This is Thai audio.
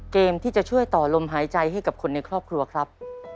เกมที่จะช่วยต่อลมหายใจให้กับคนในครอบครัวครับ